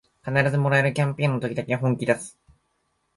必ずもらえるキャンペーンの時だけ本気だす